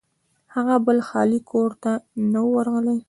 هغه بل خالي کور ته نه و ورغلی.